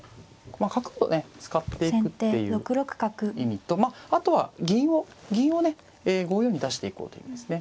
まあ角をね使っていくっていう意味とあとは銀をね５四に出していこうというんですね。